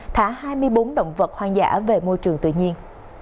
thả hai mươi bốn động vật hoang dã về môi trường tự nhiên